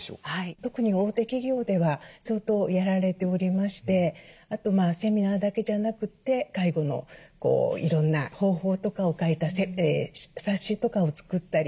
特に大手企業では相当やられておりましてあとセミナーだけじゃなくて介護のいろんな方法とかを書いた冊子とかを作ったり。